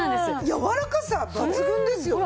やわらかさ抜群ですよね。